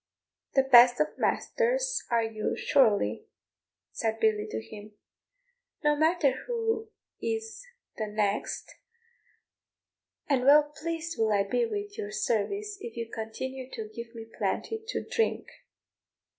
"The best of masters are you, surely," said Billy to him; "no matter who is the next; and well pleased will I be with your service if you continue to give me plenty to drink."